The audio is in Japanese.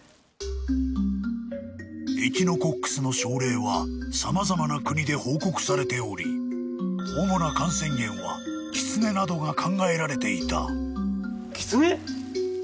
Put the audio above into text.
［エキノコックスの症例は様々な国で報告されており主な感染源はキツネなどが考えられていた］